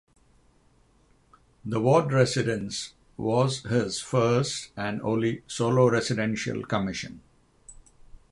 The Ward residence was his first and only solo residential commission.